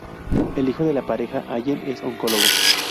El hijo de la pareja, Allen, es oncólogo.